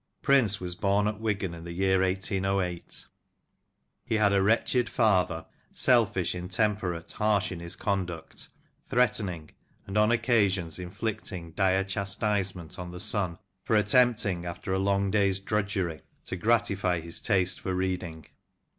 Prince was born at Wigan in the year 1808. He had a wretched father — selfish, intemperate, harsh in his conduct ; threatening, and, on occasions, inflict ing dire chastisement on the son for attempting, after a long day's drudgery, to gratify his taste for reading.